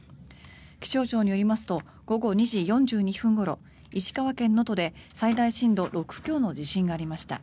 気象庁によりますと午後２時４２分ごろ石川県能登で最大震度６強の地震がありました。